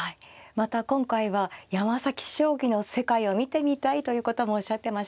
また今回は山崎将棋の世界を見てみたいということもおっしゃってました。